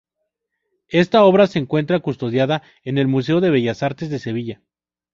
Esta obra se encuentra custodiada en el Museo de Bellas Artes de Sevilla.